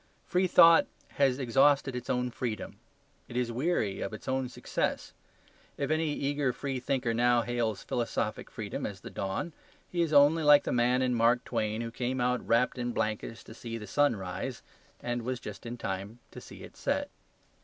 Free thought has exhausted its own freedom. It is weary of its own success. If any eager freethinker now hails philosophic freedom as the dawn, he is only like the man in Mark Twain who came out wrapped in blankets to see the sun rise and was just in time to see it set.